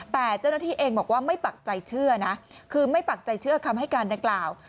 แต่เจ้าหน้าที่เองบอกว่าไม่ปักใจเชื่อนะคือไม่ปักใจเชื่อคำให้การดังกล่าว